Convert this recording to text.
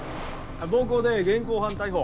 暴行で現行犯逮捕。